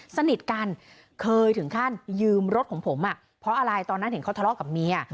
สนิทกันเคยถึงขั้นยืมรถของผมเพราะอะไรตอนนั้นเห็นเขาทะเลาะกับเมีย